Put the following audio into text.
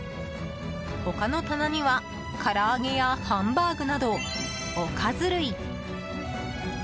他の棚には、から揚げやハンバーグなどおかず類。